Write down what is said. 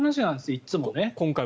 いつもね。